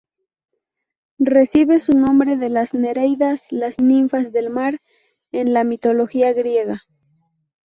Recibe su nombre de las nereidas, las ninfas del mar en la mitología griega.